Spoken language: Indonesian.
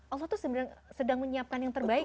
allah tuh sebenarnya sedang menyiapkan yang terbaik